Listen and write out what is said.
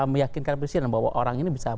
meyakinkan presiden bahwa orang ini bisa